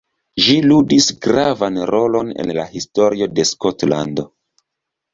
Ĝi ludis gravan rolon en la historio de Skotlando.